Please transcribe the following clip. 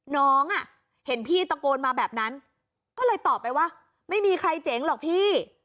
น้องอ่ะเห็นพี่ตะโกนมาแบบนั้นก็เลยตอบไปว่าไม่มีใครเจ๋งหรอกพี่